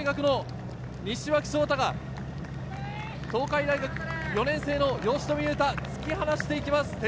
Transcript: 西脇翔太が東海大学４年生の吉冨裕太を突き放していきます。